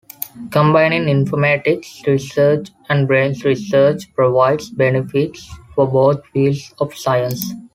Combining informatics research and brain research provides benefits for both fields of science.